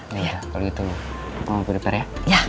ya udah kalau gitu mama prepare ya